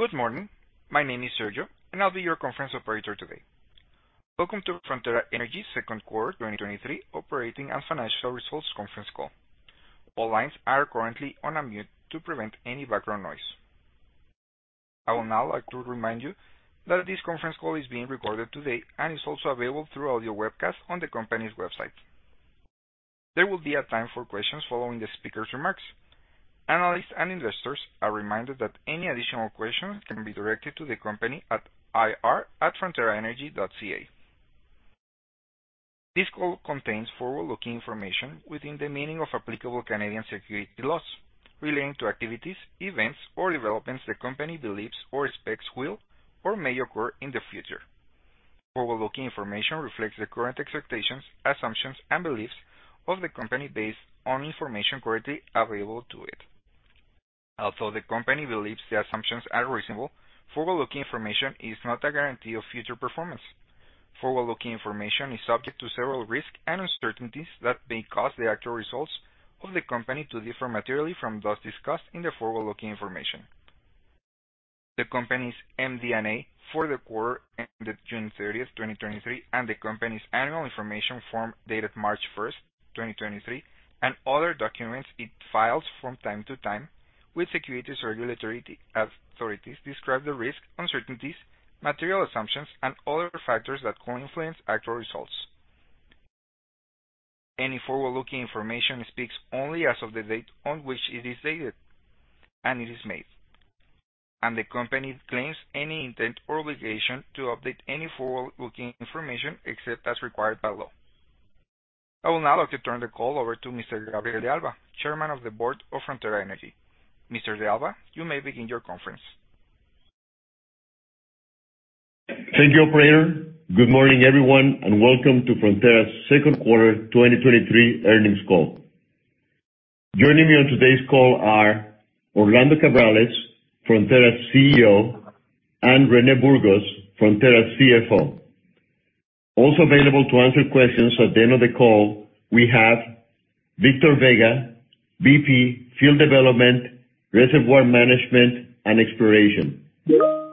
Good morning. My name is Sergio, and I'll be your conference operator today. Welcome to Frontera Energy Second Quarter 2023 Operating and Financial Results Conference Call. All lines are currently on a mute to prevent any background noise. I will now like to remind you that this conference call is being recorded today and is also available through audio webcast on the company's website. There will be a time for questions following the speaker's remarks. Analysts and investors are reminded that any additional questions can be directed to the company at ir@fronteraenergy.ca. This call contains forward-looking information within the meaning of applicable Canadian security laws relating to activities, events, or developments the company believes or expects will or may occur in the future. Forward-looking information reflects the current expectations, assumptions, and beliefs of the company based on information currently available to it. Although the company believes the assumptions are reasonable, forward-looking information is not a guarantee of future performance. Forward-looking information is subject to several risks and uncertainties that may cause the actual results of the company to differ materially from those discussed in the forward-looking information. The company's MD&A for the quarter ended June 30th, 2023, and the company's annual information form dated March 1st, 2023, and other documents it files from time to time with securities regulatory authorities describe the risks, uncertainties, material assumptions, and other factors that could influence actual results. Any forward-looking information speaks only as of the date on which it is dated, and it is made, and the company disclaims any intent or obligation to update any forward-looking information, except as required by law. I will now like to turn the call over to Mr. Gabriel de Alba, Chairman of the Board of Frontera Energy. Mr. de Alba, you may begin your conference. Thank you, operator. Good morning, everyone, and welcome to Frontera's second quarter 2023 earnings call. Joining me on today's call are Orlando Cabrales, Frontera's CEO, and Rene Burgos, Frontera's CFO. Also available to answer questions at the end of the call, we have Victor Vega, VP, Field Development, Reservoir Management, and Exploration;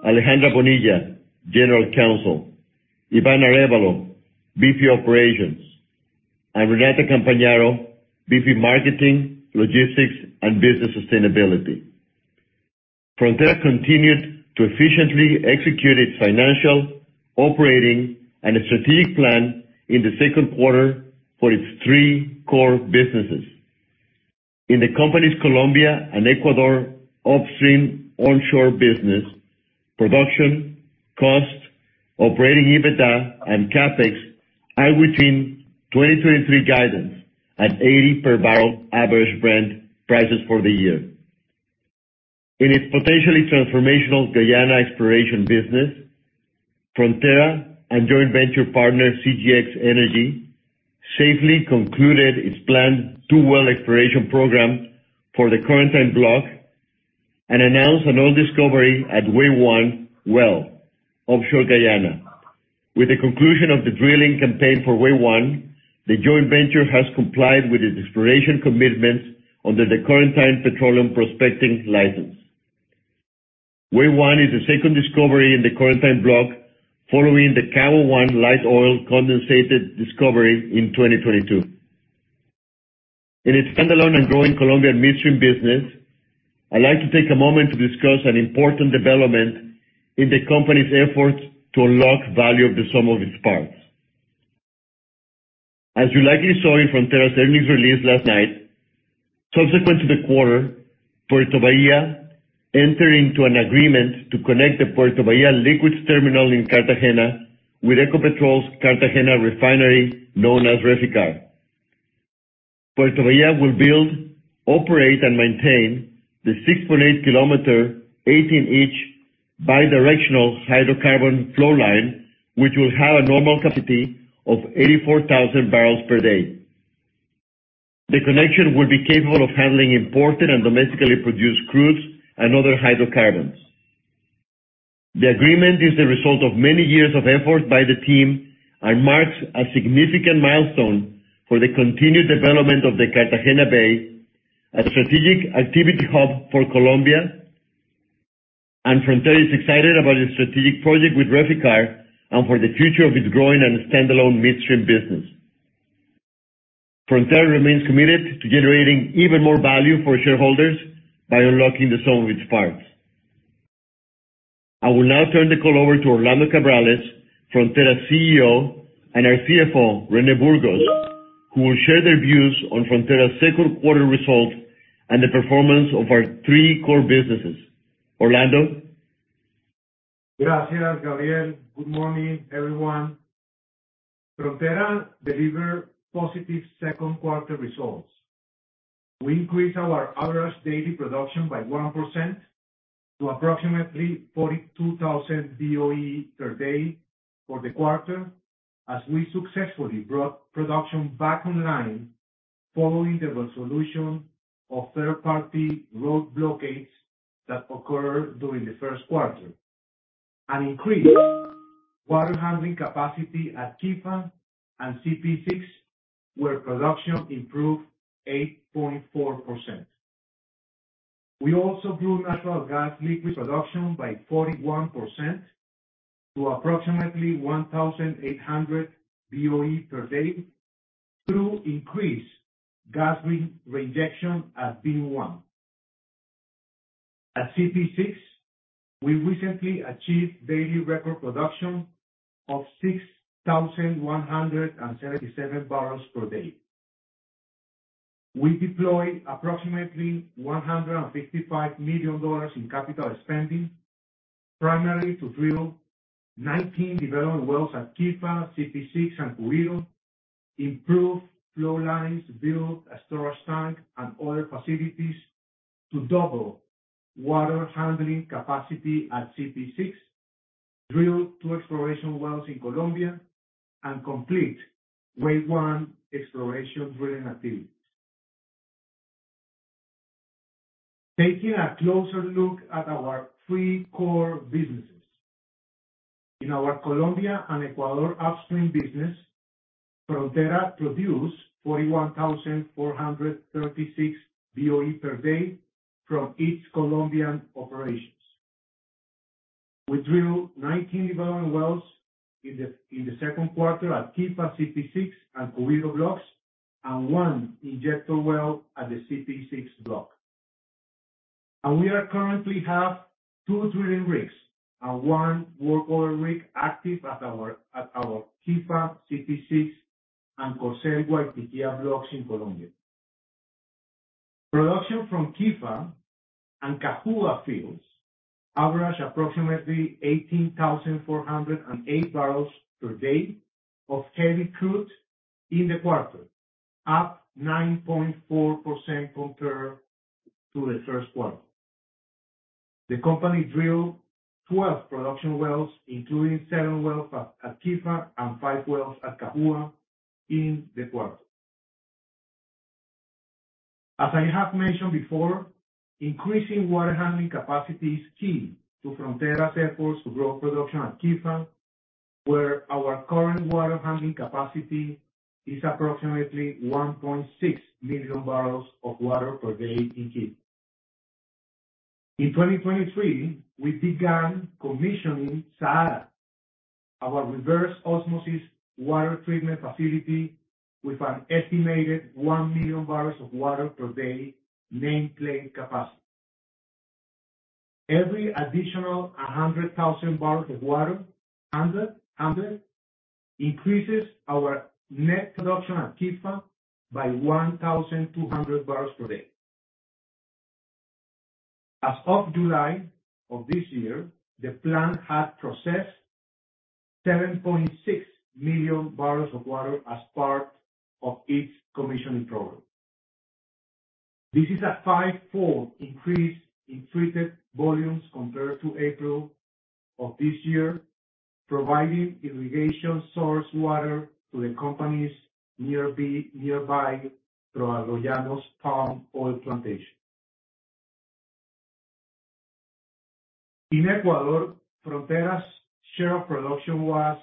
Alejandra Bonilla, General Counsel; Ivan Arevalo, VP, Operations; and Renata Campagnaro, VP, Marketing, Logistics and Business Sustainability. Frontera continued to efficiently execute its financial, operating, and strategic plan in the second quarter for its three core businesses. In the company's Colombia and Ecuador upstream, onshore business, production, cost, operating EBITDA and CapEx are within 2023 guidance at $80 per barrel average Brent prices for the year. In its potentially transformational Guyana exploration business, Frontera and joint venture partner, CGX Energy, safely concluded its planned two-well exploration program for the Corentyne block and announced an oil discovery at Wei-1 Well, offshore Guyana. With the conclusion of the drilling campaign for Wei-1, the joint venture has complied with its exploration commitments under the Corentyne Petroleum Prospecting License. Wei-1 is the second discovery in the Corentyne block, following the Kawa-1 light oil condensated discovery in 2022. In its standalone and growing Colombian midstream business, I'd like to take a moment to discuss an important development in the company's efforts to unlock value of the sum of its parts. As you likely saw in Frontera's earnings release last night, subsequent to the quarter, Puerto Bahia entered into an agreement to connect the Puerto Bahia liquids terminal in Cartagena with Ecopetrol's Cartagena Refinery, known as Reficar. Puerto Bahia will build, operate, and maintain the 6.8 km, 18 in bidirectional hydrocarbon flow line, which will have a normal capacity of 84,000 barrels per day. The connection will be capable of handling imported and domestically produced crudes and other hydrocarbons. The agreement is the result of many years of effort by the team and marks a significant milestone for the continued development of the Cartagena Bay, a strategic activity hub for Colombia, and Frontera is excited about a strategic project with Reficar and for the future of its growing and standalone midstream business. Frontera remains committed to generating even more value for shareholders by unlocking the sum of its parts. I will now turn the call over to Orlando Cabrales, Frontera's CEO, and our CFO, Rene Burgos, who will share their views on Frontera's second quarter results and the performance of our three core businesses. Orlando? Gabriel. Good morning, everyone. Frontera delivered positive second quarter results. We increased our average daily production by 1% to approximately 42,000 BOE per day for the quarter, as we successfully brought production back online following the resolution of third-party road blockades that occurred during the first quarter, and increase water handling capacity at Quifa and CPE-6, where production improved 8.4%. We also grew natural gas liquid production by 41% to approximately 1,800 BOE per day through increased gas re-rejection at P one. At CPE-6, we recently achieved daily record production of 6,177 barrels per day. We deployed approximately $155 million in capital spending, primarily to drill 19 development wells at Quifa, CPE-6, and Curillo, improve flow lines, build a storage tank and other facilities to double water handling capacity at CPE-6, drill 2 exploration wells in Colombia, and complete Wei-1 exploration drilling activities. Taking a closer look at our three core businesses. In our Colombia and Ecuador upstream business, Frontera produced 41,436 BOE per day from its Colombian operations. We drilled 19 development wells in the second quarter at Quifa, CPE-6, and Curillo blocks, and 1 injector well at the CPE-6 block. We are currently have 2 drilling rigs and 1 workover rig active at our Quifa, CPE-6, and Corcel-Guatiquia blocks in Colombia. Production from Quifa and Cajua fields averaged approximately 18,408 barrels per day of heavy crude in the quarter, up 9.4% compared to the first quarter. The company drilled 12 production wells, including 7 wells at Quifa and 5 wells at Cajua in the quarter. As I have mentioned before, increasing water handling capacity is key to Frontera's efforts to grow production at Quifa, where our current water handling capacity is approximately 1.6 million barrels of water per day in Quifa. In 2023, we began commissioning SAARA, our reverse osmosis water treatment facility, with an estimated 1 million barrels of water per day nameplate capacity. Every additional 100,000 barrels of water increases our net production at Quifa by 1,200 barrels per day. As of July of this year, the plant had processed 7.6 million barrels of water as part of its commissioning program. This is a 5-fold increase in treated volumes compared to April of this year, providing irrigation source water to the company's nearby ProAgro palm oil plantation. In Ecuador, Frontera's share of production was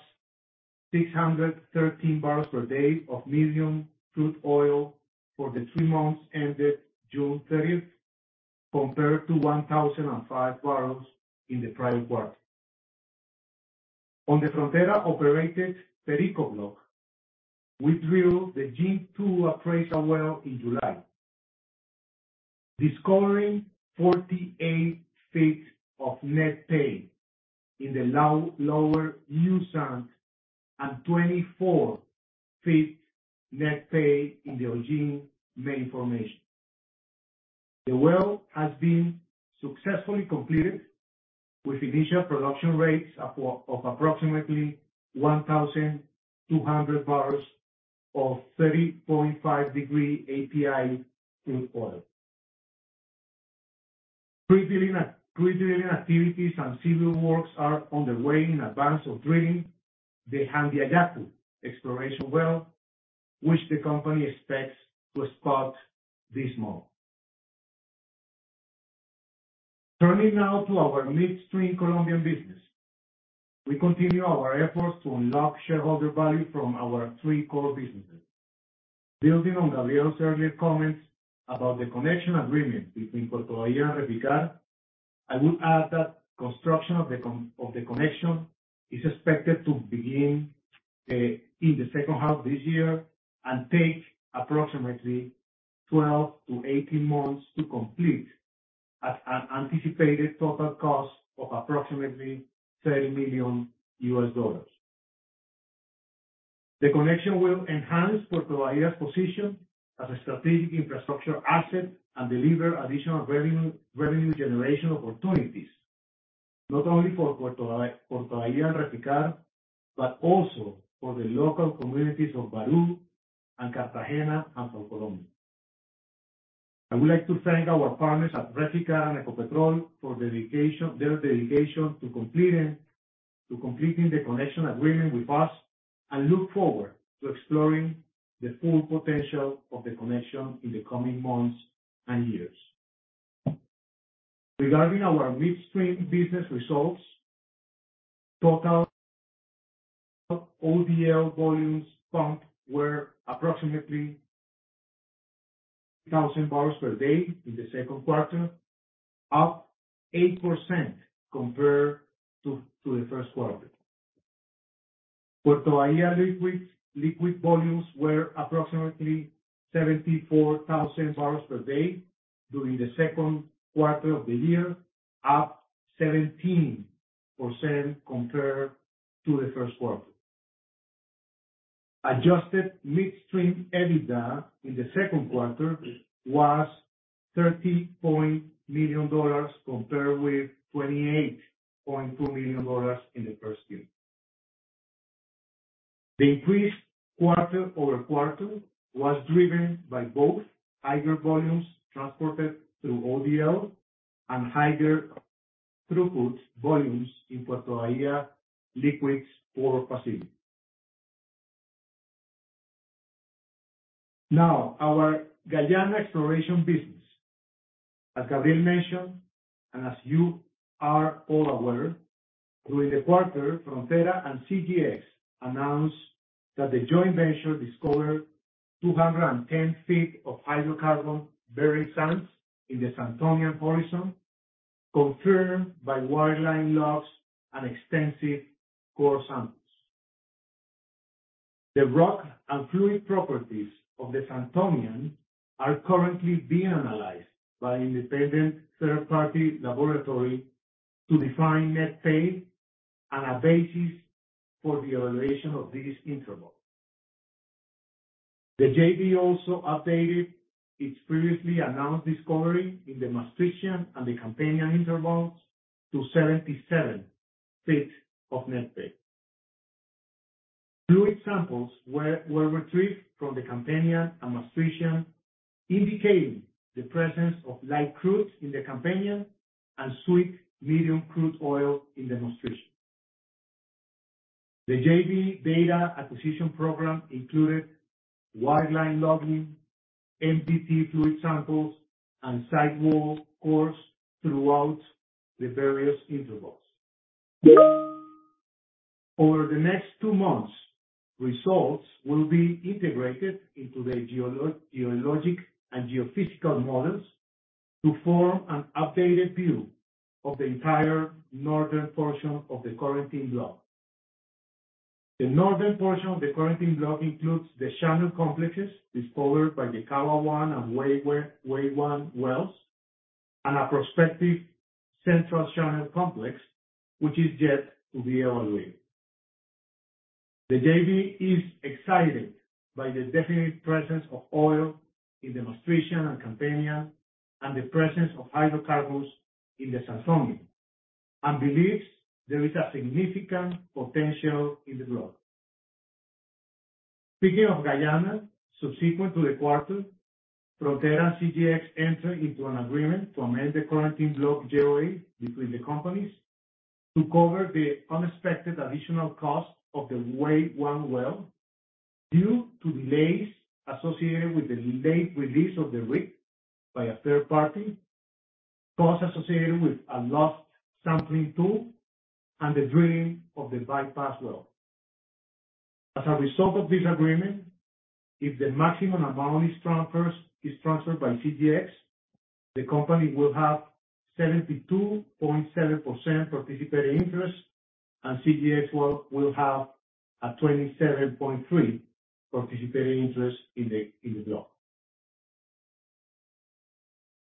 613 barrels per day of medium crude oil for the 3 months ended June 30th, compared to 1,005 barrels in the prior quarter. On the Frontera-operated Perico block, we drilled the G-2 appraisal well in July, discovering 48 ft of net pay in the Lower U sand and 24 ft net pay in the Hollin Main formation. The well has been successfully completed with initial production rates of approximately 1,200 barrels of 30.5 degree API crude oil. Pre-drilling pre-drilling activities and civil works are underway in advance of drilling the Jandiayacu exploration well, which the company expects to spot this month. Turning now to our midstream Colombian business. We continue our efforts to unlock shareholder value from our three core businesses. Building on Gabriel's earlier comments about the connection agreement between Puerto Bahia and Reficar, I will add that construction of the connection is expected to begin in the second half of this year and take approximately 12-18 months to complete at an anticipated total cost of approximately $30 million. The connection will enhance Puerto Bahia's position as a strategic infrastructure asset and deliver additional revenue, revenue generation opportunities, not only for Puerto Bahia and Reficar, but also for the local communities of Baru and Cartagena, and for Colombia. I would like to thank our partners at Reficar and Ecopetrol for dedication, their dedication to completing the connection agreement with us. I look forward to exploring the full potential of the connection in the coming months and years. Regarding our midstream business results, total ODL volumes pumped were approximately 1,000 barrels per day in the second quarter, up 8% compared to the first quarter. Puerto Bahia liquids, liquid volumes were approximately 74,000 barrels per day during the second quarter of the year, up 17% compared to the first quarter. Adjusted midstream EBITDA in the second quarter was $30 million, compared with $28.2 million in the first quarter. The increased quarter-over-quarter was driven by both higher volumes transported through ODL and higher throughput volumes in Puerto Bahia Liquids Port Facility. Now, our Guyana exploration business. As Gabriel mentioned, as you are all aware, during the quarter, Frontera and CGX announced that the joint venture discovered 210 ft of hydrocarbon bearing sands in the Santonian horizon, confirmed by wireline logs and extensive core samples. The rock and fluid properties of the Santonian are currently being analyzed by independent third-party laboratory to define net pay and a basis for the evaluation of this interval. The JV also updated its previously announced discovery in the Maastrichtian and the Campanian intervals to 77 ft of net pay. Fluid samples were retrieved from the Campanian and Maastrichtian, indicating the presence of light crude in the Campanian and sweet medium crude oil in the Maastrichtian. The JV data acquisition program included wireline logging, MDT fluid samples, and sidewall cores throughout the various intervals. Over the next two months, results will be integrated into the geologic and geophysical models to form an updated view of the entire northern portion of the Corentyne block. The northern portion of the Corentyne block includes the channel complexes discovered by the Kawa-1 and Wei-1 wells, and a prospective central channel complex, which is yet to be evaluated. The JV is excited by the definite presence of oil in the Maastrichtian and Campanian, and the presence of hydrocarbons in the Santonian, believes there is a significant potential in the block. Speaking of Guyana, subsequent to the quarter, Frontera and CGX entered into an agreement to amend the Corentyne block JOA between the companies to cover the unexpected additional cost of the Wei-1 well due to delays associated with the late release of the rig by a third party, costs associated with a lost sampling tool, and the drilling of the bypass well. As a result of this agreement, if the maximum amount is transfers-- is transferred by CGX, the company will have 72.7% participating interest, and CGX will, will have a 27.3% participating interest in the, in the block.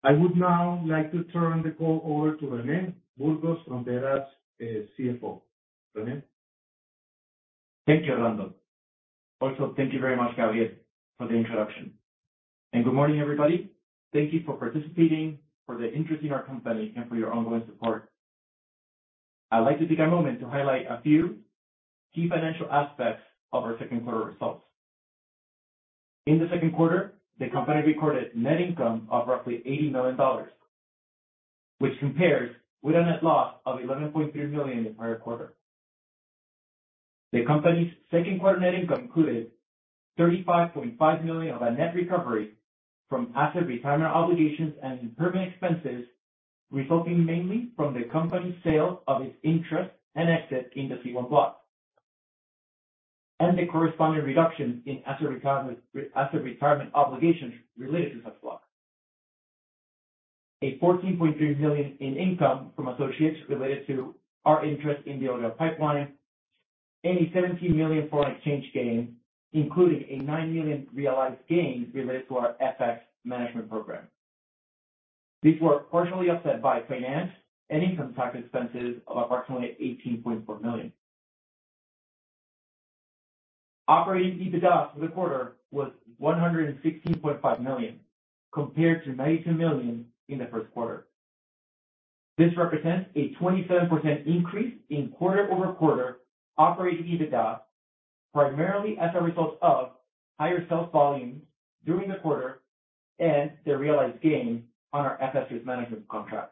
I would now like to turn the call over to Rene Burgos, Frontera's CFO. Rene? Thank you, Orlando. Also, thank you very much, Gabriel, for the introduction. Good morning, everybody. Thank you for participating, for the interest in our company, and for your ongoing support. I'd like to take a moment to highlight a few key financial aspects of our second quarter results. In the second quarter, the company recorded net income of roughly $80 million, which compares with a net loss of $11.3 million in the prior quarter. The company's second quarter net income included $35.5 million of a net recovery from asset retirement obligations and improvement expenses, resulting mainly from the company's sale of its interest and exit in the Z-1 block, and the corresponding reduction in asset retirement, asset retirement obligations related to such block. A $14.3 million in income from associates related to our interest in the ODL pipeline, and a $17 million foreign exchange gain, including a $9 million realized gain related to our FX management program. These were partially offset by finance and income tax expenses of approximately $18.4 million. Operating EBITDA for the quarter was $116.5 million, compared to $92 million in the first quarter. This represents a 27% increase in quarter-over-quarter operating EBITDA, primarily as a result of higher sales volumes during the quarter and the realized gain on our FX risk management contract.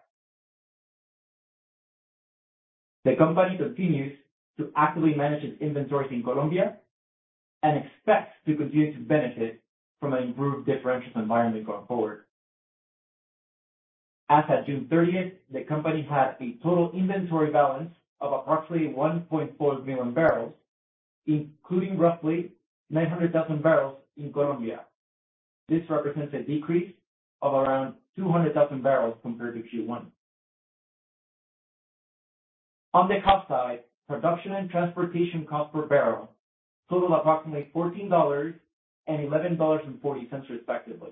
The company continues to actively manage its inventories in Colombia and expects to continue to benefit from an improved differential environment going forward. As at June 30th, the company had a total inventory balance of approximately 1.4 million barrels, including roughly 900,000 barrels in Colombia. This represents a decrease of around 200,000 barrels compared to Q1. On the cost side, production and transportation costs per barrel totaled approximately $14 and $11.40, respectively.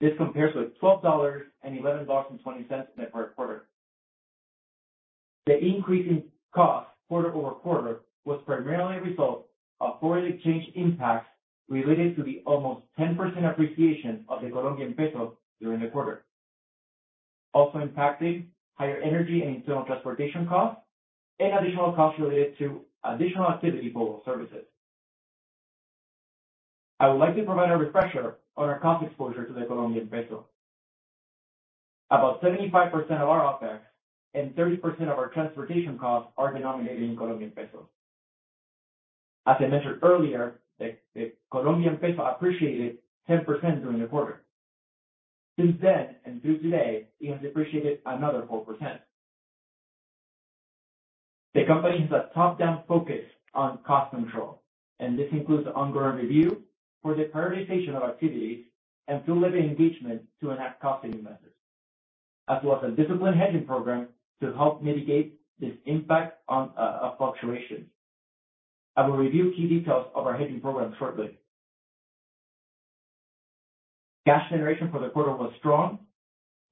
This compares with $12 and $11.20 in the prior quarter. The increase in cost quarter-over-quarter was primarily a result of foreign exchange impacts related to the almost 10% appreciation of the Colombian peso during the quarter. Also impacting higher energy and internal transportation costs and additional costs related to additional activity for services. I would like to provide a refresher on our cost exposure to the Colombian peso. About 75% of our OpEx and 30% of our transportation costs are denominated in Colombian Pesos. As I mentioned earlier, the Colombian Peso appreciated 10% during the quarter. Since then, and through today, it has depreciated another 4%. The company has a top-down focus on cost control, and this includes ongoing review for the prioritization of activities and through labor engagement to enact cost-saving measures, as well as a disciplined hedging program to help mitigate this impact on of fluctuations. I will review key details of our hedging program shortly. Cash generation for the quarter was strong,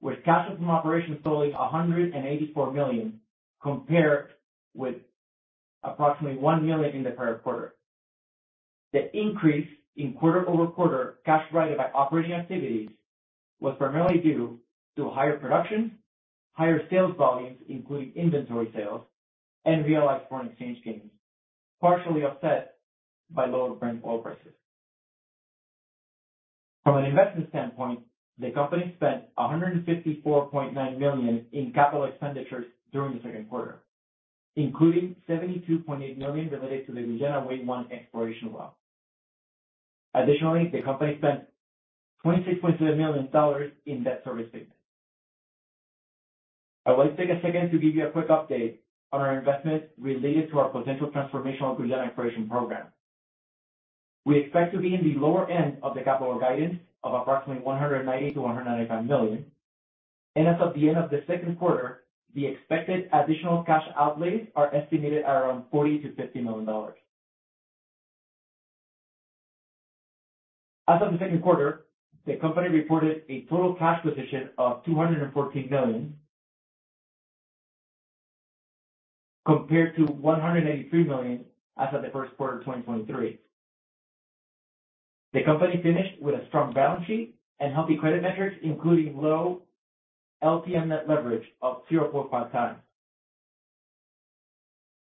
with cash from operations totaling $184 million, compared with approximately $1 million in the current quarter. The increase in quarter-over-quarter cash provided by operating activities was primarily due to higher production, higher sales volumes, including inventory sales, and realized foreign exchange gains, partially offset by lower Brent oil prices. From an investment standpoint, the company spent $154.9 million in CapEx during the second quarter, including $72.8 million related to the Guyana Wei-1 exploration well. Additionally, the company spent $26.3 million in debt service payments. I would like to take a second to give you a quick update on our investment related to our potential transformational Guyana exploration program. We expect to be in the lower end of the capital guidance of approximately $190 million-$195 million, and as of the end of the second quarter, the expected additional cash outlays are estimated at around $40 to $50 million. As of the second quarter, the company reported a total cash position of $214 million. Compared to $183 million as of the first quarter of 2023. The company finished with a strong balance sheet and healthy credit metrics, including low LTM net leverage of 0.5x.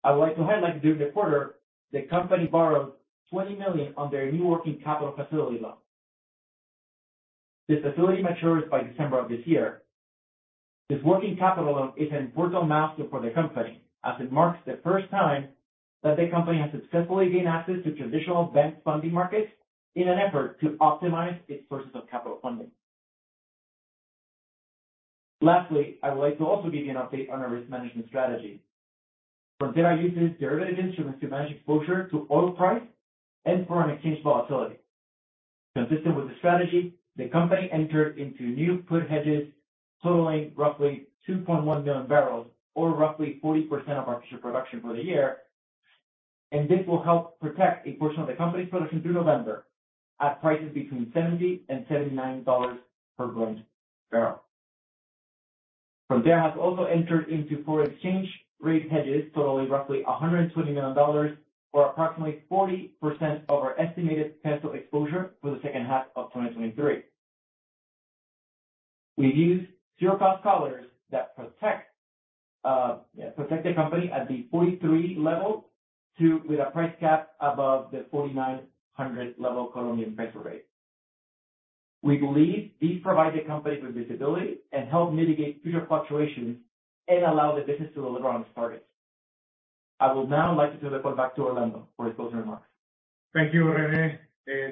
I would like to highlight, during the quarter, the company borrowed $20 million on their new working capital facility loan. This facility matures by December of this year. This working capital loan is an important milestone for the company, as it marks the first time that the company has successfully gained access to traditional bank funding markets in an effort to optimize its sources of capital funding. Lastly, I would like to also give you an update on our risk management strategy. Frontera uses derivative instruments to manage exposure to oil price and foreign exchange volatility. Consistent with the strategy, the company entered into new put hedges, totaling roughly 2.1 million barrels or roughly 40% of our future production for the year, and this will help protect a portion of the company's production through November at prices between $70 and $79 per Brent barrel. Frontera has also entered into foreign exchange rate hedges, totaling roughly $120 million, or approximately 40% of our estimated peso exposure for the second half of 2023. We've used zero-cost collars that protect, yeah, protect the company at the COP 43 level, with a price cap above the COP 4,900 level Colombian peso rate. We believe these provide the company with visibility and help mitigate future fluctuations and allow the business to deliver on its targets. I would now like to turn the call back to Orlando for his closing remarks. Thank you, Rene.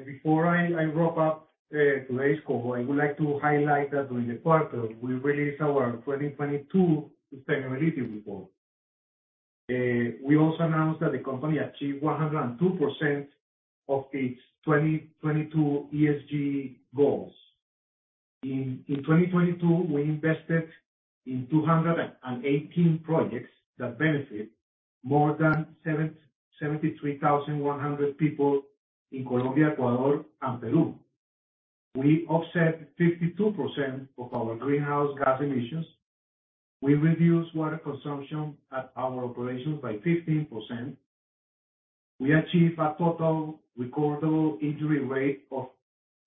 Before I, I wrap up, today's call, I would like to highlight that during the quarter, we released our 2022 sustainability report. We also announced that the company achieved 102% of its 2022 ESG goals. In 2022, we invested in 218 projects that benefit more than 73,100 people in Colombia, Ecuador, and Peru. We offset 52% of our greenhouse gas emissions. We reduced water consumption at our operations by 15%. We achieved a total recordable injury rate of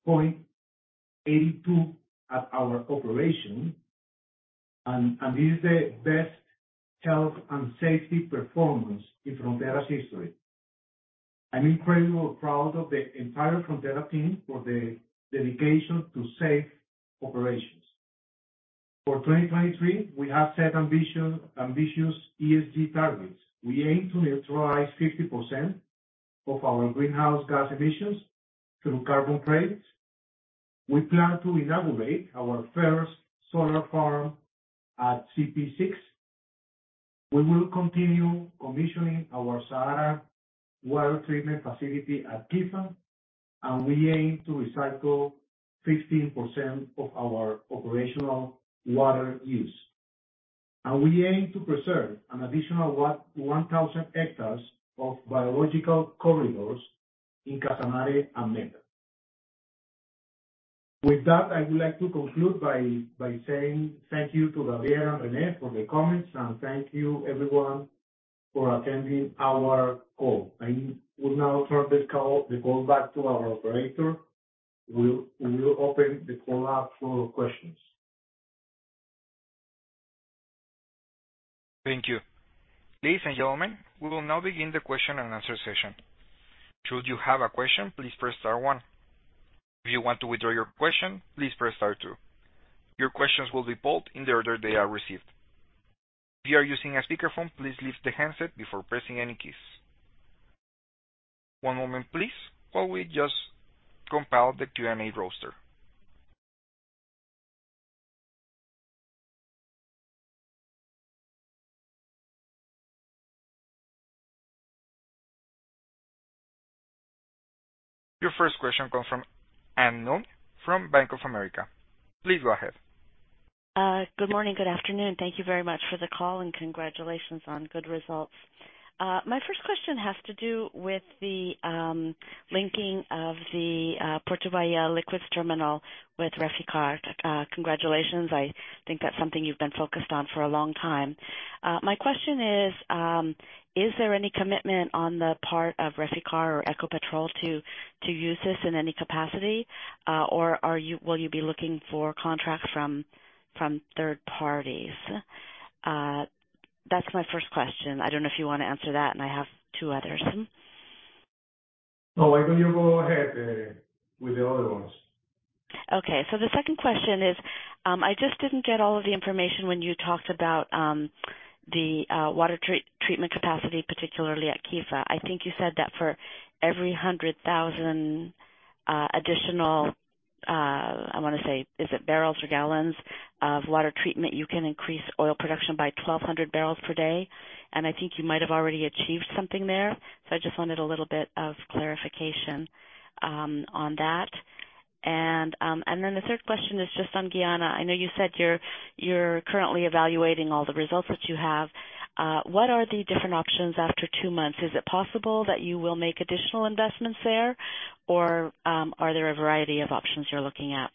0.82 at our operation, and this is the best health and safety performance in Frontera's history. I'm incredibly proud of the entire Frontera team for the dedication to safe operations. For 2023, we have set ambitious ESG targets. We aim to neutralize 50% of our greenhouse gas emissions through carbon credits. We plan to inaugurate our first solar farm at CPE-6. We will continue commissioning our SAARA water treatment facility at Quifa, and we aim to recycle 15% of our operational water use. We aim to preserve an additional 1,000 hectares of biological corridors in Casanare and Meta. With that, I would like to conclude by saying thank you to Javier and Rene for the comments, and thank you, everyone, for attending our call. I will now turn this call, the call back to our operator, who will open the call up for questions. Thank you. Ladies and gentlemen, we will now begin the question and answer session. Should you have a question, please press star one. If you want to withdraw your question, please press star two. Your questions will be polled in the order they are received. If you are using a speakerphone, please lift the handset before pressing any keys. One moment, please, while we just compile the Q&A roster. Your first question comes from Anne Milne from Bank of America. Please go ahead. Good morning, good afternoon. Thank you very much for the call, and congratulations on good results. My first question has to do with the linking of the Puerto Bahia liquids terminal with Reficar. Congratulations, I think that's something you've been focused on for a long time. My question is, is there any commitment on the part of Reficar or Ecopetrol to, to use this in any capacity? Will you be looking for contracts from, from third parties? That's my first question. I don't know if you want to answer that, and I have two others. No, why don't you go ahead with the other ones? Okay, so the second question is, I just didn't get all of the information when you talked about the water treat- treatment capacity, particularly at Quifa. I think you said that for every 100,000 additional, I wanna say, is it barrels or gallons of water treatment, you can increase oil production by 1,200 barrels per day, and I think you might have already achieved something there. I just wanted a little bit of clarification on that. The third question is just on Guyana. I know you said you're, you're currently evaluating all the results that you have. What are the different options after 2 months? Is it possible that you will make additional investments there, or are there a variety of options you're looking at?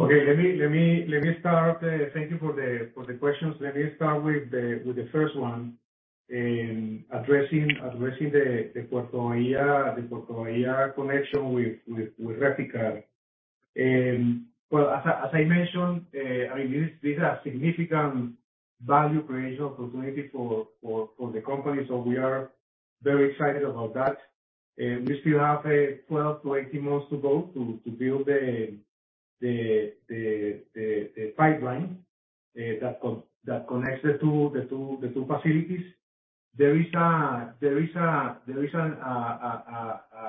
Okay, let me start. Thank you for the questions. Let me start with the first one, addressing the Puerto Bahia, the Puerto Bahia connection with Reficar. Well, as I mentioned, I mean, this, these are significant value creation opportunity for the company, so we are very excited about that. We still have 12 to 18 months to go to build the pipeline that connects the two facilities. There is a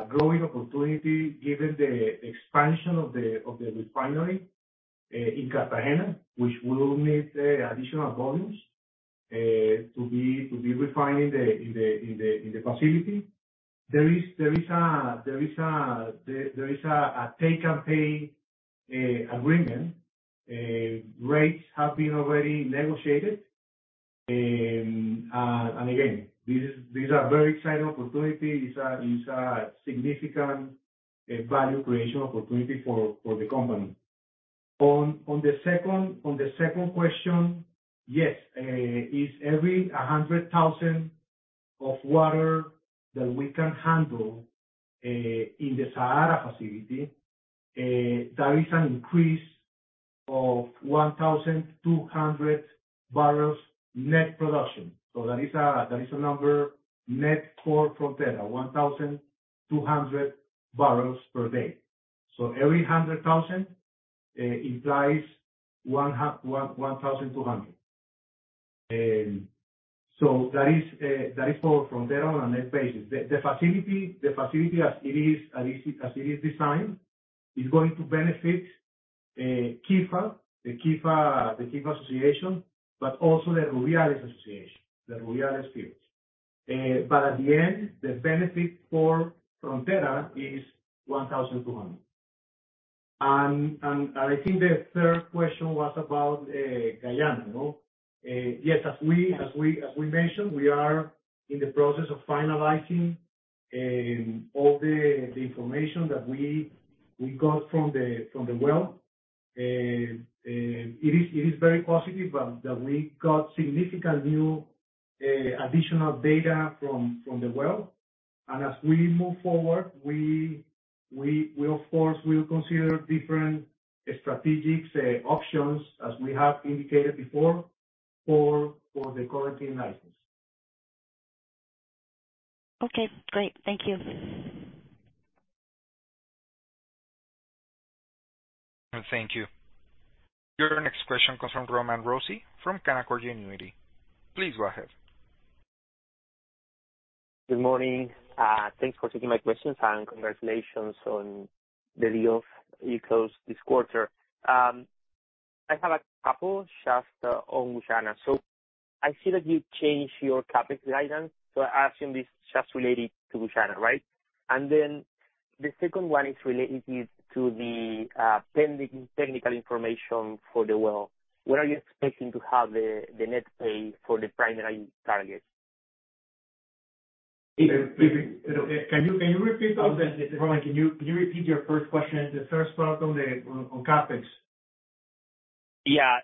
growing opportunity given the expansion of the refinery in Cartagena, which will need additional volumes to be refined in the facility. There is, there is a, there is a, there, there is a, a take-or-pay agreement. Rates have been already negotiated. Again, this is. These are very exciting opportunity. It's a, it's a significant value creation opportunity for, for the company. On, on the second, on the second question, yes, is every 100,000 of water that we can handle in the SAARA facility, there is an increase of 1,200 barrels net production. That is a, that is a number net for Frontera, 1,200 barrels per day. Every 100,000 implies one, 1,200. That is for Frontera on a net basis. The facility as it is designed, is going to benefit Quifa, the Quifa Association, also the Rubiales Association, the Rubiales fields. At the end, the benefit for Frontera is $1,200. I think the third question was about Guyana, no? Yes, as we mentioned, we are in the process of finalizing all the information that we got from the well. It is very positive that we got significant new additional data from the well as we move forward, we of course, will consider different strategic options as we have indicated before, for the Corentyne license. Okay, great. Thank you. Thank you. Your next question comes from Roman Rossi from Canaccord Genuity. Please go ahead. Good morning. Thanks for taking my questions, congratulations on the deal you closed this quarter. I have a couple just on Guyana. I see that you changed your CapEx guidance, I assume this is just related to Guyana, right? The second one is related to the pending technical information for the well. When are you expecting to have the net pay for the primary target? Can you, can you repeat those, Roman? Can you, can you repeat your first question, the first part on the, on, on CapEx? Yeah.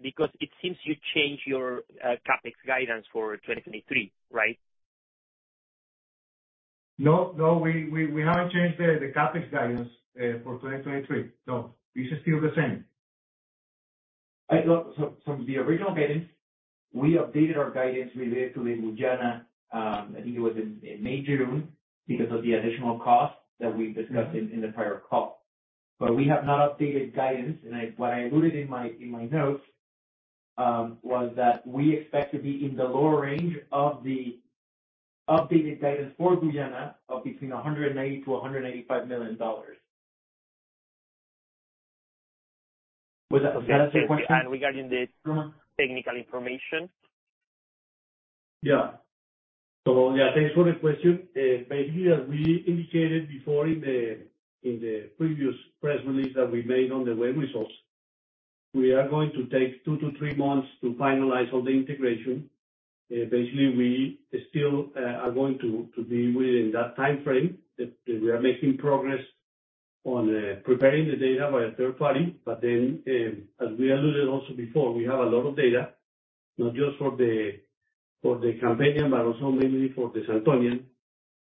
It seems you changed your CapEx guidance for 2023, right? No, no, we haven't changed the CapEx guidance for 2023, no. This is still the same. The original guidance, we updated our guidance related to the Guyana, I think it was in, in May, June, because of the additional costs that we discussed in, in the prior call. We have not updated guidance, and what I alluded in my, in my notes, was that we expect to be in the lower range of the updated guidance for Guyana of between $180 to $185 million. Does that answer your question? Regarding technical information? Yeah. Yeah, thanks for the question. Basically, as we indicated before in the, in the previous press release that we made on the web results, we are going to take two to three months to finalize all the integration. Basically, we still are going to, to be within that timeframe. We are making progress on preparing the data by a third party. Then, as we alluded also before, we have a lot of data, not just for the, for the Campanian, but also mainly for the Santonian.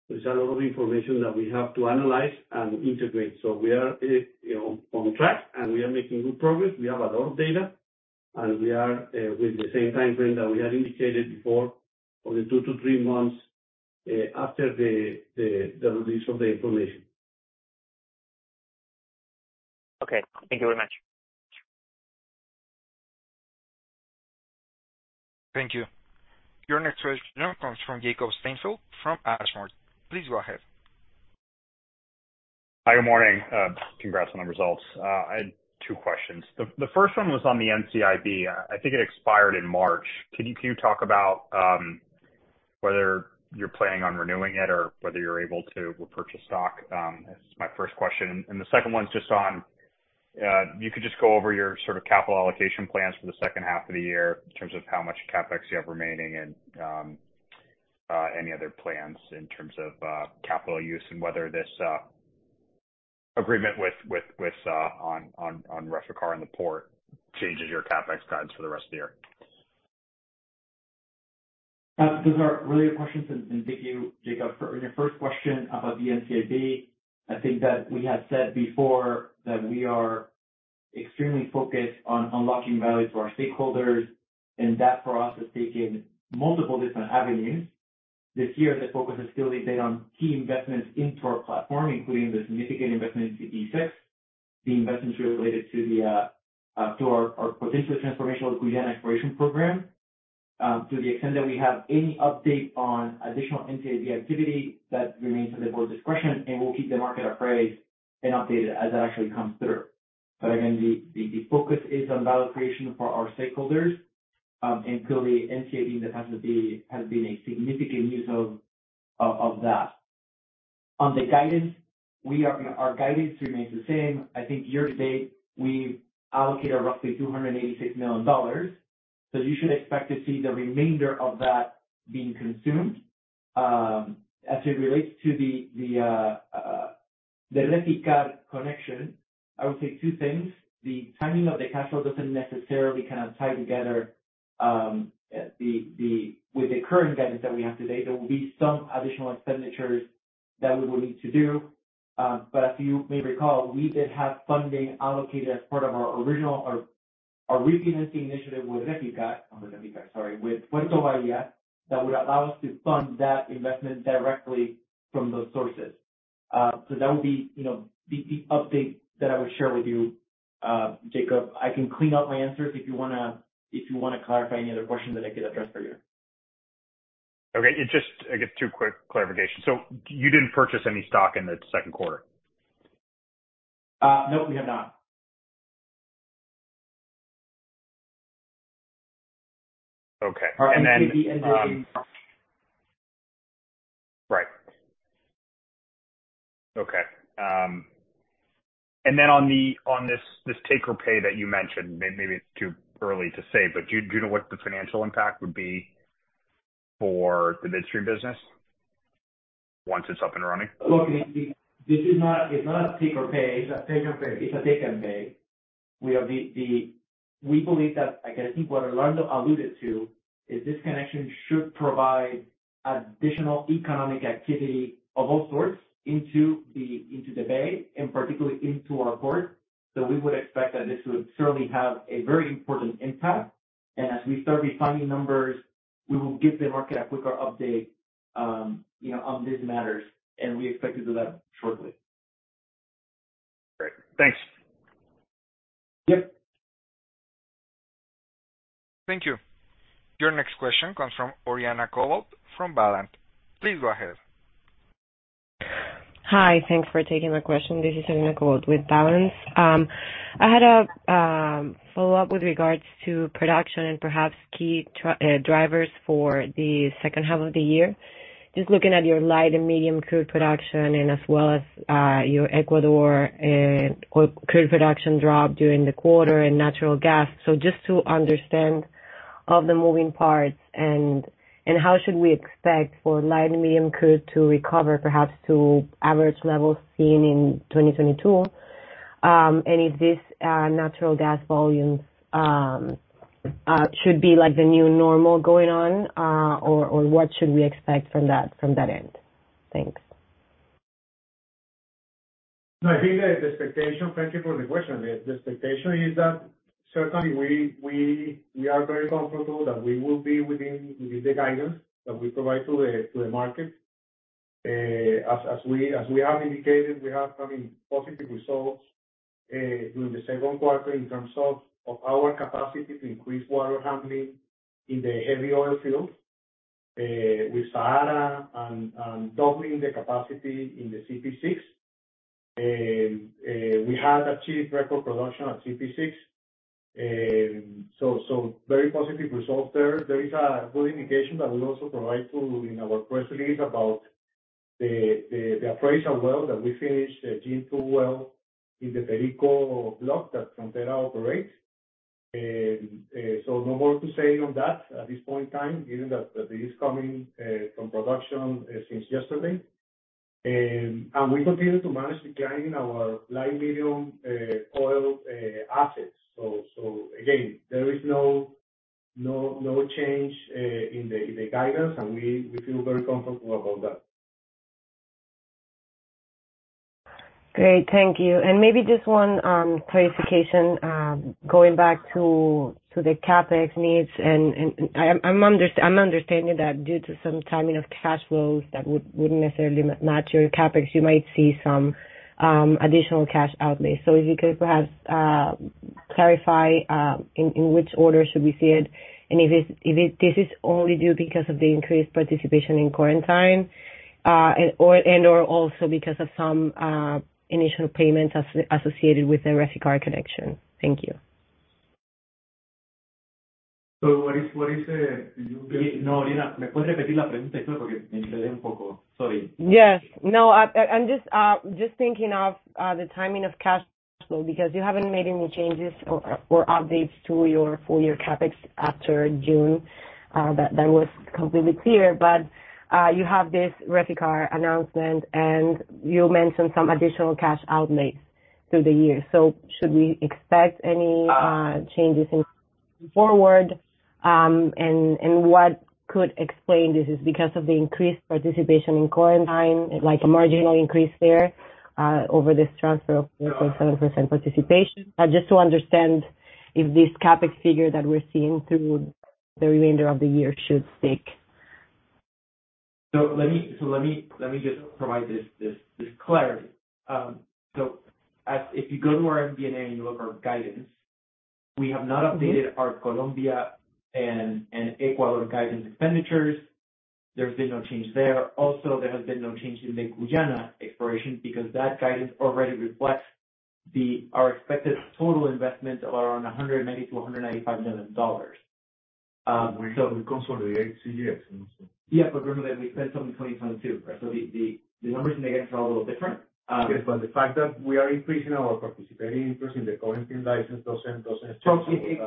There's a lot of information that we have to analyze and integrate. We are, you know, on track, and we are making good progress. We have a lot of data. We are, with the same timeframe that we had indicated before, only 2-3 months, after the release of the information. Okay. Thank you very much. Thank you. Your next question comes from Jacob Steinfeld, from Ashmore. Please go ahead. Hi, good morning. Congrats on the results. I had 2 questions. The first one was on the NCIB. I think it expired in March. Can you talk about whether you're planning on renewing it or whether you're able to repurchase stock? That's my first question. The second one's just on, you could just go over your sort of capital allocation plans for the second half of the year in terms of how much CapEx you have remaining and any other plans in terms of capital use and whether this agreement with on Reficar and the port changes your CapEx guidance for the rest of the year. Those are really good questions, and, and thank you, Jacob. For, in your first question about the NCIB, I think that we had said before that we are extremely focused on unlocking value for our stakeholders, and that for us, is taking multiple different avenues. This year, the focus is still is on key investments into our platform, including the significant investment into CPE-6, the investments related to the, to our, our potential transformational Guyana exploration program. To the extent that we have any update on additional NCIB activity, that remains at the board's discretion, and we'll keep the market appraised and updated as that actually comes through. Again, the, the, the focus is on value creation for our stakeholders, and clearly NCIB has to be, has been a significant use of that. On the guidance, we are, our guidance remains the same. I think year to date, we've allocated roughly $286 million, so you should expect to see the remainder of that being consumed. As it relates to the Reficar connection, I would say two things: The timing of the cash flow doesn't necessarily kind of tie together with the current guidance that we have today, there will be some additional expenditures that we will need to do. But as you may recall, we did have funding allocated as part of our original, our, our refinancing initiative with Reficar. Not with Reficar, sorry, with Puerto Bahia, that would allow us to fund that investment directly from those sources. So that would be, you know, the, the update that I would share with you, Jacob. I can clean up my answers if you want to, if you want to clarify any other questions that I could address for you. Okay. It just, I guess 2 quick clarifications. You didn't purchase any stock in the second quarter? No, we have not. Right. Okay, then on the, on this, this take or pay that you mentioned, may- maybe it's too early to say, but do, do you know what the financial impact would be for the midstream business once it's up and running? Look, it's a Take-or-pay. It's a take and pay. We are the, we believe that, like, I think what Orlando alluded to, is this connection should provide additional economic activity of all sorts into the bay and particularly into our port. We would expect that this would certainly have a very important impact, and as we start refining numbers, we will give the market a quicker update, you know, on these matters, and we expect to do that shortly. Great. Thanks. Thank you. Your next question comes from Oriana Covault from Balanz. Please go ahead. Hi, thanks for taking my question. This is Oriana Covault with Balanz. I had a follow-up with regards to production and perhaps key drivers for the second half of the year. Just looking at your light and medium crude production and as well as your Ecuador oil crude production drop during the quarter and natural gas. Just to understand all the moving parts and how should we expect for light and medium crude to recover, perhaps to average levels seen in 2022? If this natural gas volume should be like the new normal going on, or what should we expect from that, from that end? Thanks. No, I think the expectation. Thank you for the question. The expectation is that certainly we, we, we are very comfortable that we will be within, within the guidance that we provide to the, to the market. As, as we, as we have indicated, we are having positive results during the second quarter in terms of, of our capacity to increase water handling in the heavy oil fields, with SAARA and, and doubling the capacity in the CPE-6. We have achieved record production at CPE-6. Very positive results there. There is a good indication that we also provide to in our press release about the, the, the appraisal well that we finished, the Jandayacu well in the Perico block that Frontera operates. No more to say on that at this point in time, given that this is coming from production since yesterday. We continue to manage decline in our light medium oil assets. Again, there is no, no, no change in the guidance, and we feel very comfortable about that. Great. Thank you. Maybe just one clarification, going back to the CapEx needs, and I'm understanding that due to some timing of cash flows that wouldn't necessarily match your CapEx, you might see some additional cash outlays. If you could perhaps clarify in which order should we see it, and if this is only due because of the increased participation in Corentyne, and or also because of some initial payments associated with the Reficar connection? Thank you. Yes. No, I, I'm just thinking of the timing of cash flow, because you haven't made any changes or updates to your full year CapEx after June. That was completely clear. You have this Reficar announcement, and you mentioned some additional cash outlays through the year. Should we expect any changes in forward? What could explain this is because of the increased participation in Corentyne, like a marginal increase there, over this transfer of 0.7% participation? Just to understand if this CapEx figure that we're seeing through the remainder of the year should stick. Let me just provide this clarity. If you go to our MD&A, and you look our guidance, we have not updated our Colombia and Ecuador guidance expenditures. There's been no change there. There has been no change in the Guyana exploration, because that guidance already reflects the, our expected total investment of around $190 million-$195 million. We consolidated ACX. Yeah, remember that we said something 2022, right? The, the, the numbers again are a little different. Yes, the fact that we are increasing our participating interest in the Corentyne license, doesn't. Exactly.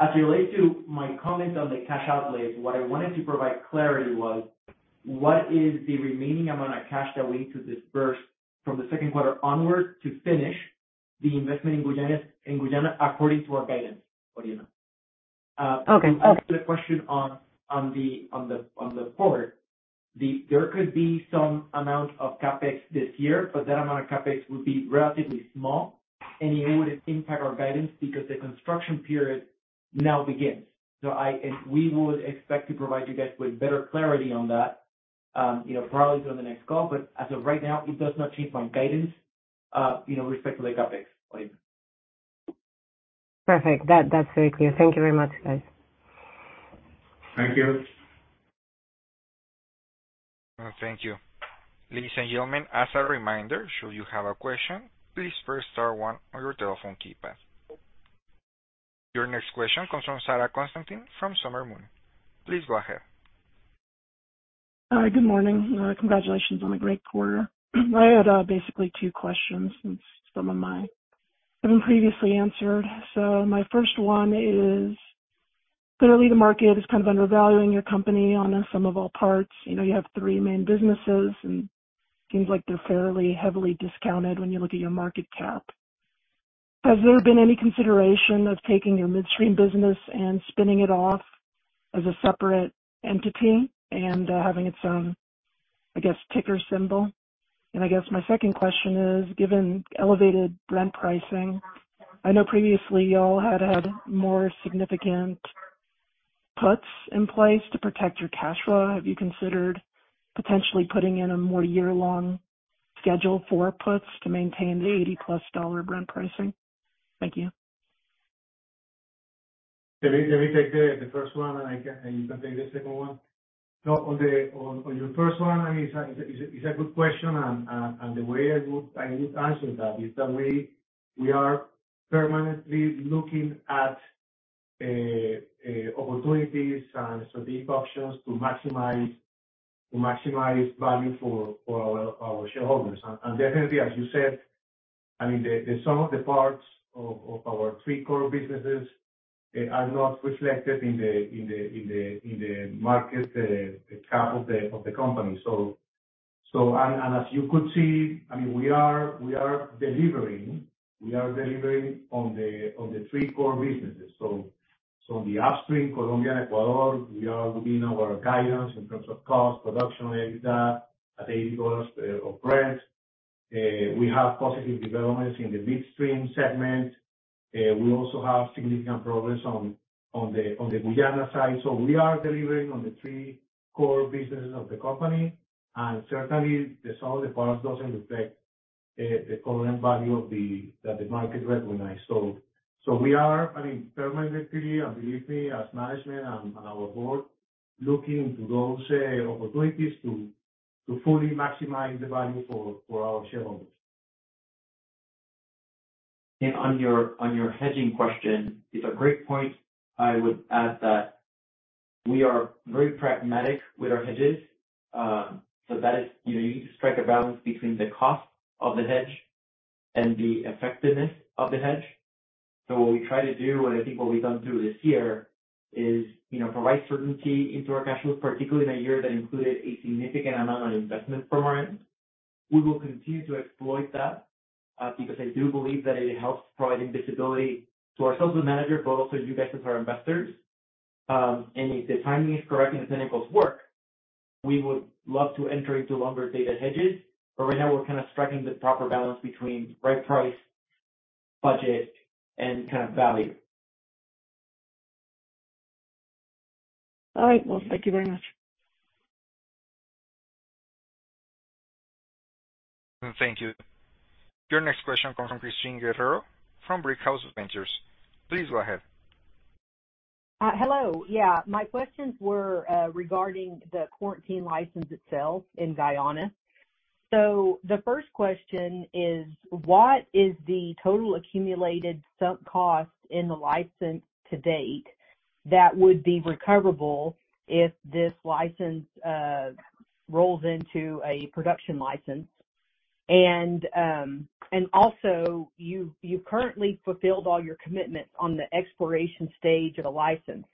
As relates to my comment on the cash outlays, what I wanted to provide clarity was, what is the remaining amount of cash that we need to disburse from the second quarter onwards to finish the investment in Guyana, in Guyana, according to our guidance, Oriana? To answer the question on, on the, on the, on the port, there could be some amount of CapEx this year, but that amount of CapEx would be relatively small, and it wouldn't impact our guidance because the construction period now begins. We would expect to provide you guys with better clarity on that, you know, probably during the next call, but as of right now, it does not change my guidance, you know, respect to the CapEx. Perfect. That, that's very clear. Thank you very much, guys. Thank you. Thank you. Ladies and gentlemen, as a reminder, should you have a question, please first star one on your telephone keypad. Your next question comes from Zac Constantine, from SMC. Please go ahead. Hi, good morning. Congratulations on the great quarter. I had, basically 2 questions, since some of mine have been previously answered. My first one is Clearly, the market is kind of undervaluing your company on a sum of all parts. You know, you have 3 main businesses, and seems like they're fairly heavily discounted when you look at your market cap. Has there been any consideration of taking your midstream business and spinning it off as a separate entity and, having its own, I guess, ticker symbol? I guess my second question is, given elevated Brent pricing, I know previously y'all had had more significant puts in place to protect your cash flow. Have you considered potentially putting in a more year-long schedule for puts to maintain the $80 plus Brent pricing? Thank you. Let me, let me take the, the first one, and you can take the second one. On the, on, on your first one, I mean, it's a, it's a, it's a good question, and the way I would, I would answer that is that we, we are permanently looking at opportunities and strategic options to maximize, to maximize value for, for our, our shareholders. Definitely, as you said, I mean, the, the sum of the parts of, of our three core businesses, are not reflected in the, in the, in the, in the market, the cap of the, of the company. As you could see, I mean, we are, we are delivering, we are delivering on the, on the three core businesses. On the upstream, Colombia and Ecuador, we are within our guidance in terms of cost, production, EBITDA, at EBITDA of Brent. We have positive developments in the midstream segment. We also have significant progress on the Guyana side. We are delivering on the three core businesses of the company, and certainly the sum of the parts doesn't reflect the current value that the market recognize. We are, I mean, permanently, and believe me, as management and our board, looking to those opportunities to fully maximize the value for our shareholders. On your, on your hedging question, it's a great point. I would add that we are very pragmatic with our hedges. That is, you know, you need to strike a balance between the cost of the hedge and the effectiveness of the hedge. What we try to do, and I think what we've done through this year is, you know, provide certainty into our cash flows, particularly in a year that included a significant amount of investment from our end. We will continue to exploit that because I do believe that it helps providing visibility to ourselves as managers, but also you guys as our investors. If the timing is correct, and the financials work, we would love to enter into longer-dated hedges, but right now we're kind of striking the proper balance between right price, budget, and kind of value. All right. Well, thank you very much. Thank you. Your next question comes from Christine Guerrero from Brickhouse Ventures. Please go ahead. Hello. Yeah, my questions were regarding the Corentyne license itself in Guyana. The first question is, what is the total accumulated sunk cost in the license to date that would be recoverable if this license rolls into a production license? Also, you've, you've currently fulfilled all your commitments on the exploration stage of the license.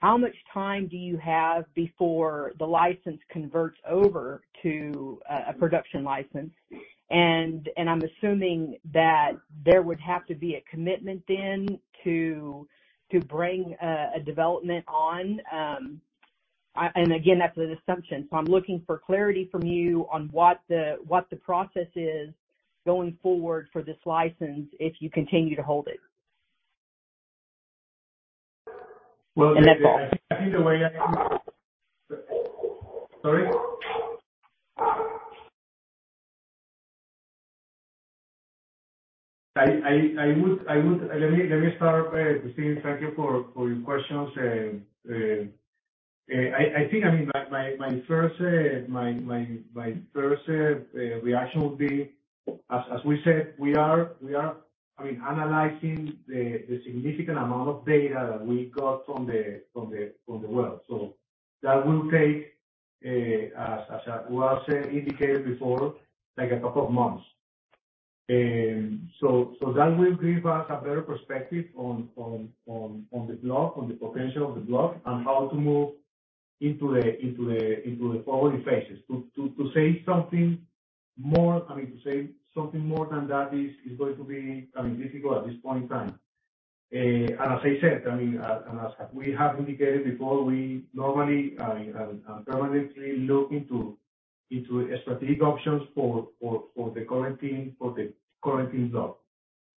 How much time do you have before the license converts over to a production license? I'm assuming that there would have to be a commitment then to, to bring a development on. Again, that's an assumption, so I'm looking for clarity from you on what the, what the process is going forward for this license if you continue to hold it. Sorry? I would. Let me start, Christine, thank you for your questions. I think, I mean, my first reaction would be, as we said, we are, I mean, analyzing the significant amount of data that we got from the well. That will take, as I indicated before, like a couple of months. That will give us a better perspective on the block, on the potential of the block and how to move into the following phases. To say something more, I mean, to say something more than that is going to be, I mean, difficult at this point in time. As I said, I mean, as we have indicated before, we normally permanently look into, into strategic options for the Corentyne block, for the Corentyne block.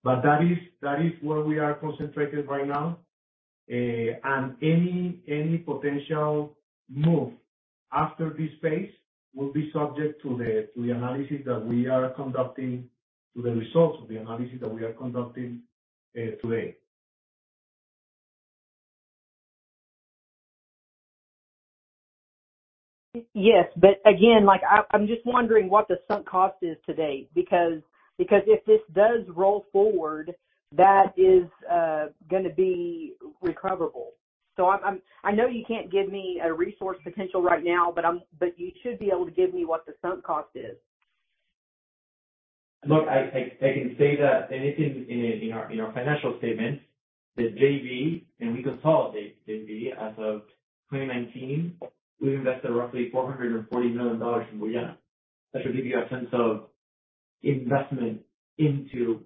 That is, that is where we are concentrated right now. Any, any potential move after this phase will be subject to the, to the analysis that we are conducting, to the results of the analysis that we are conducting, today. Yes, again, like I'm just wondering what the sunk cost is to date, because, because if this does roll forward, that is going to be recoverable. I'm, I'm... I know you can't give me a resource potential right now, but you should be able to give me what the sunk cost is. Look, I can say that anything in our financial statement, the JV and we consolidate JV. As of 2019, we've invested roughly $440 million in Guyana. That should give you a sense of investment into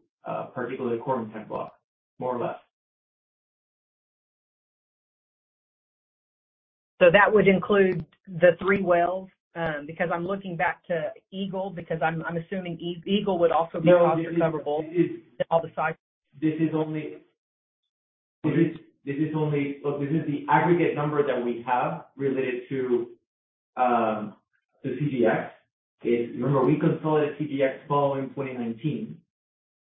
particularly the Corentyne block, more or less. That would include the 3 wells? Because I'm looking back to Eagle, because I'm, I'm assuming Eagle would also be cost recoverable, This is only Look, this is the aggregate number that we have related to the CGX. Remember, we consolidated CGX following 2019.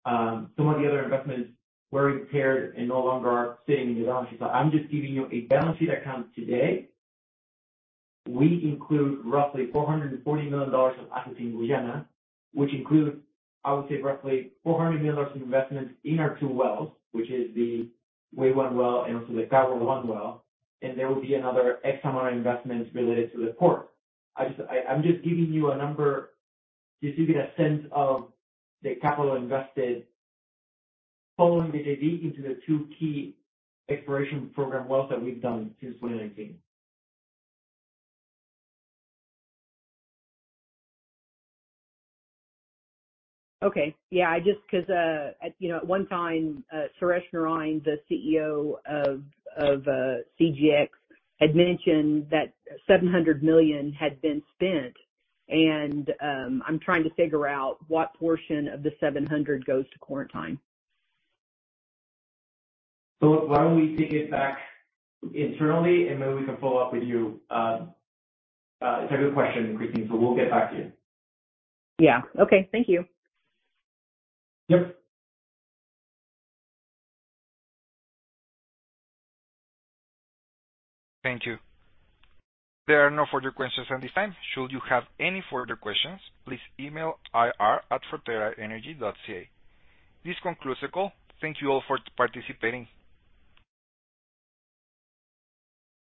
Some of the other investments were repaired and no longer are sitting in the balance sheet. I'm just giving you a balance sheet account today. We include roughly $440 million of assets in Guyana, which includes, I would say, roughly $400 million of investments in our two wells, which is the Wei-1 well and also the Kawa-1 well, and there will be another X amount of investments related to the port. I'm just giving you a number, just to get a sense of the capital invested following the JV into the two key exploration program wells that we've done since 2019. Okay. Yeah, I just... Because, at, you know, at one time, Suresh Narine, the CEO of, of, CGX, had mentioned that $700 million had been spent, and, I'm trying to figure out what portion of the 700 goes to Corentyne. Why don't we take it back internally, and maybe we can follow up with you? It's a good question, Christine, so we'll get back to you. Yeah. Okay. Thank you. Yep. Thank you. There are no further questions at this time. Should you have any further questions, please email ir@fronteraenergy.ca. This concludes the call. Thank you all for participating.